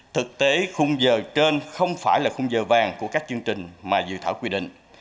thực tế khung giờ trên không phải là khung giờ vàng của các chương trình mà dự thảo quy định